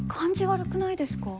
悪くないですか？